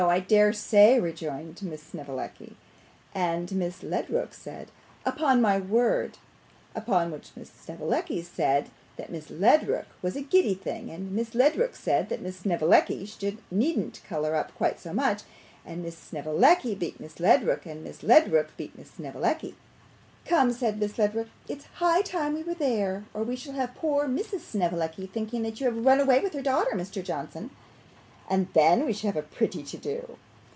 I dare say,' rejoined Miss Snevellicci. And Miss Ledrook said, 'Upon my word!' Upon which Miss Snevellicci said that Miss Ledrook was a giddy thing; and Miss Ledrook said that Miss Snevellicci needn't colour up quite so much; and Miss Snevellicci beat Miss Ledrook, and Miss Ledrook beat Miss Snevellicci. 'Come,' said Miss Ledrook, 'it's high time we were there, or we shall have poor Mrs. Snevellicci thinking that you have run away with her daughter, Mr. Johnson; and then we should have a pretty to do.